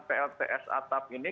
plts atap ini